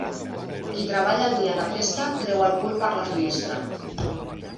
Qui treballa el dia de festa, treu el cul per la finestra.